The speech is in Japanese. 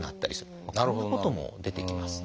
こんなことも出てきます。